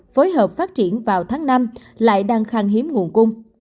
phối hợp phát triển vào tháng năm lại đang khang hiếm nguồn cung